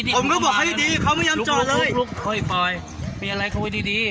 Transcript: พี่พูดเป็นมาเข้าดีก็ได้